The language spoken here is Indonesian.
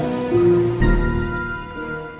kalau tadi dia temui aldebaran